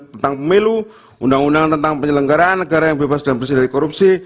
tentang pemilu undang undang tentang penyelenggaraan negara yang bebas dan bersih dari korupsi